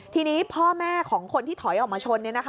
ทีนี้พ่อแม่ของคนที่ถอยออกมาชน